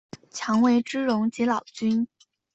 强为之容即老君。